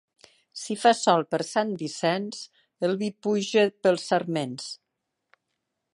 Si fa sol per Sant Vicenç, el vi puja pels sarments.